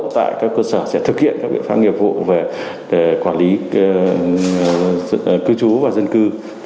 tại các cơ sở sẽ thực hiện các biện pháp nghiệp vụ về quản lý cư trú và dân cư